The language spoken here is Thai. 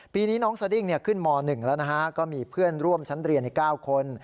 ปีนี้น้องสดิ้งขึ้นม๑แล้วนะฮะก็มีเพื่อนร่วมชั้นเรียนใน๙คน